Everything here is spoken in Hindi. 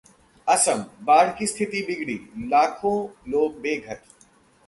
असम: बाढ की स्थिति बिगड़ी, लाखों लोग बेघर